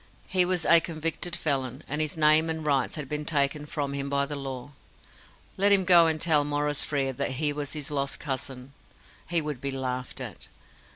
He was a convicted felon, and his name and rights had been taken from him by the law. Let him go and tell Maurice Frere that he was his lost cousin. He would be laughed at.